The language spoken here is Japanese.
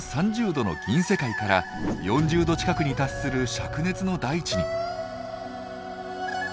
℃の銀世界から４０℃近くに達する灼熱の大地に。